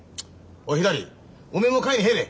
おいひらりおめえも会に入れ。